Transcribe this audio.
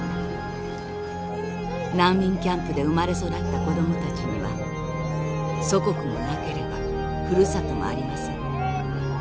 「難民キャンプで生まれ育った子どもたちには祖国もなければふるさともありません。